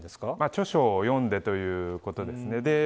著書を読んでということです。